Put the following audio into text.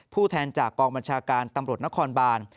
แทนจากกองบัญชาการตำรวจนครบาน